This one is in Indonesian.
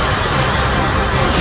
aku tidak percaya